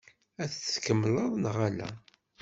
Ad t-tkemmleḍ neɣ ala?